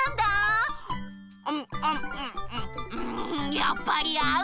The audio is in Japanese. やっぱりあう！